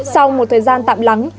sau một thời gian tạm lắng